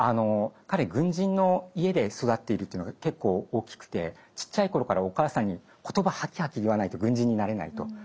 彼軍人の家で育っているというのが結構大きくてちっちゃい頃からお母さんに「言葉はきはき言わないと軍人になれない」と。